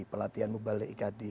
pelatihan mubalik iqadi